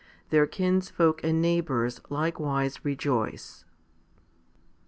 Their kinsfolk and neighbours likewise rejoice.